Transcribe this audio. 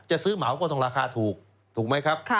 จะซื้อเหมาก็ต้องราคาถูกถูกไหมครับ